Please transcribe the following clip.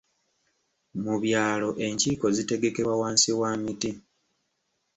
Mu byalo enkiiko zitegekebwa wansi wa miti.